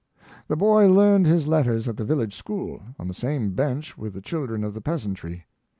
The boy learned his letters at the village school, on the same bench with the children of the peasantry.